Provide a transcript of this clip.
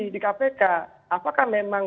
di kpk apakah memang